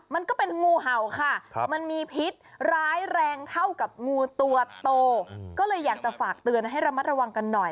มันก็เป็นงูเห่าค่ะมันมีพิษร้ายแรงเท่ากับงูตัวโตก็เลยอยากจะฝากเตือนให้ระมัดระวังกันหน่อย